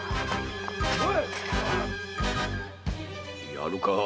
やるか？